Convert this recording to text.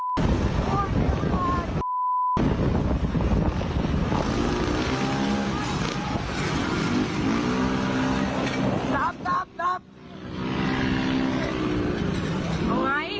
เอามีดมานี่เอามีดมากลางส่วนหน่อ